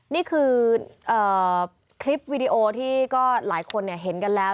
นี่คือคลิปวีดีโอที่ก็หลายคนเห็นกันแล้ว